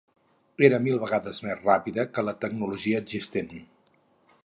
Era mil vegades més ràpida que la tecnologia existent.